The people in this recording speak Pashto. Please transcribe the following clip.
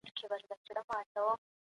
د سړکونو جوړول پرمختګ ته لار هواروي.